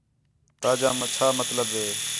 تا جا چھا مطلب ہے